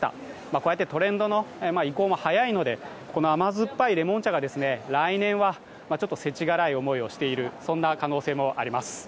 こうやってトレンドの移行も早いので、甘酸っぱいレモン茶が来年はちょっと世知辛い思いをしている可能性もあります。